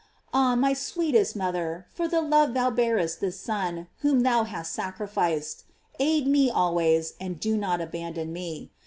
Ah, my sweetest mother, for the love thou bear est this Son whom thou hast sacrificed, aid me always, and do not abandon me.